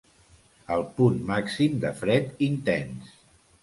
El punt màxim de fred intens.